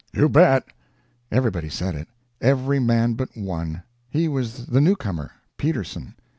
"You bet!" Everybody said it. Every man but one. He was the new comer Peterson.